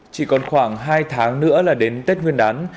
chỉ còn khoảng hai tháng nữa là đến tết nguyên đán